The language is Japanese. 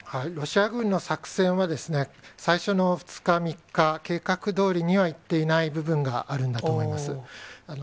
ロシア軍の作戦は、最初の２日、３日、計画どおりにはいっていない部分があるんだと思います。